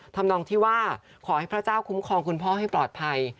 ทำนองที่ว่าขอให้พระเจ้าคุ้มครองคุณพ่อให้ปลอดภัย